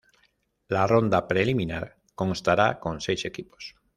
La ronda preliminar constará con seis equipos.